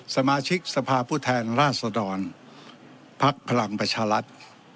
สมาชิกสภาพูดแทนราชดรพักพลังประชาลัทธ์